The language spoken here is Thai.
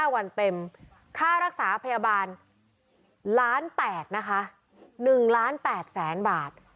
๕๕วันเต็มค่ารักษาพยาบาล๑๘ล้านบาท